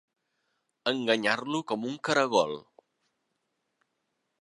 Enganyar-lo com un caragol.